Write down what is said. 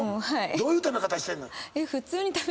どういう食べ方してんの？